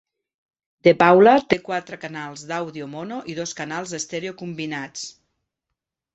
The Paula té quatre canals d'àudio mono i dos canals estèreo combinats.